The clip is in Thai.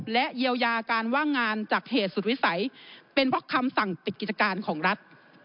และเยียวยาการว่างงานจากเหตุสุดวิสัยเป็นเพราะคำสั่งปิดกิจการของรัฐ